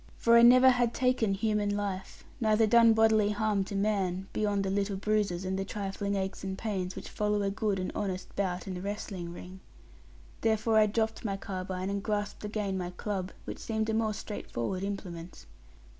For I never had taken human life, neither done bodily harm to man; beyond the little bruises, and the trifling aches and pains, which follow a good and honest bout in the wrestling ring. Therefore I dropped my carbine, and grasped again my club, which seemed a more straight forward implement.